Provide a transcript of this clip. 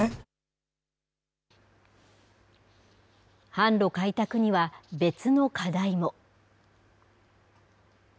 販路開拓には、別の課題も。